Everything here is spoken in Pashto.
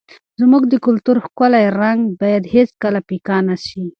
زموږ د کلتور ښکلی رنګ باید هېڅکله پیکه نه سي.